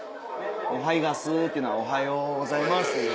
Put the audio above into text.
「おはいがす」っていうのは「おはようございます」っていう。